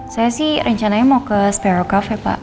saya sih rencananya mau ke sparrow cafe pak